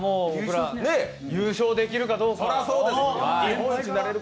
優勝できるかどうか。